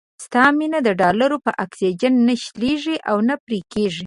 ستا مينه د ډالرو په اکسيجن نه شلېږي او نه پرې کېږي.